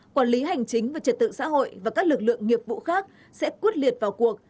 quản lý hành chính và trật tự xã hội và các lực lượng nghiệp vụ khác sẽ quyết liệt vào cuộc